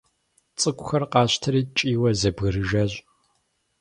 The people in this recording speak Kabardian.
ЦӀыкӀухэр къащтэри кӀийуэ зэбгрыжащ.